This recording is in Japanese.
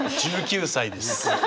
１９歳です。